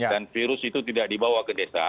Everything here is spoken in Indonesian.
dan virus itu tidak dibawa ke desa